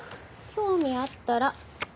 興味あったら。